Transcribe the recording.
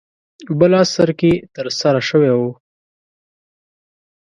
بل عصر کې ترسره شوی و.